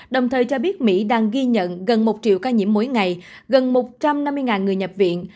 đồng thời cho biết mỹ đang ghi nhận gần một triệu ca nhiễm mỗi ngày gần một trăm năm mươi người nhập viện